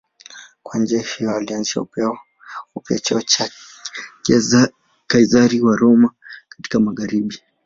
Kwa njia hiyo alianzisha upya cheo cha Kaizari wa Roma katika magharibi.